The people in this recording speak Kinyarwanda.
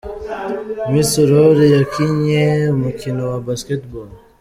Miss Aurore yakinnye umukino wa Basketball.